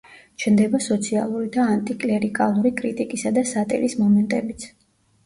ჩნდება სოციალური და ანტიკლერიკალური კრიტიკისა და სატირის მომენტებიც.